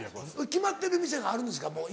決まってる店があるんですか？